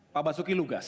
pak basuki lugas